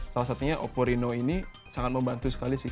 salah satunya oppo reno ini sangat membantu sekali sih